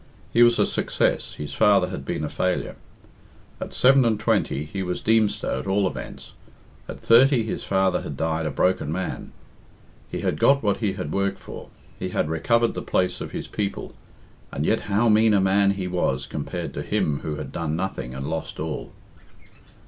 He was a success, his father had been a failure. At seven and twenty he was Deemster at all events; at thirty his father had died a broken man. He had got what he had worked for; he had recovered the place of his people; and yet how mean a man he was compared to him who had done nothing and lost all.